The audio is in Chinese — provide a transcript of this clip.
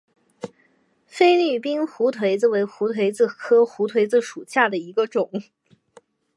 菲律宾胡颓子为胡颓子科胡颓子属下的一个种。